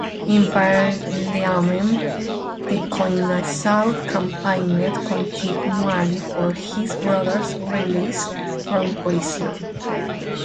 In parliament, Tikoinasau campaigned continually for his brother's release from prison.